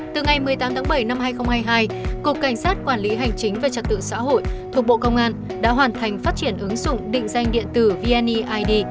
từ ngày một mươi tám tháng bảy năm hai nghìn hai mươi hai cục cảnh sát quản lý hành chính về trật tự xã hội thuộc bộ công an đã hoàn thành phát triển ứng dụng định danh điện tử vneid